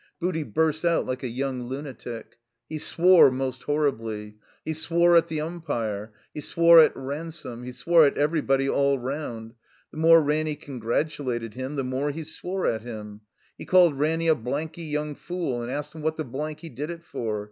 Booty burst out like a yotmg lunatic. He swore most horribly. He swore at the umpire. He swore at Ransome. He swore at everybody all round. The more Ranny congratulated him, the more he swore at him. He called Ranny a blanky yotmg fool, and asked him what the blank he did it for.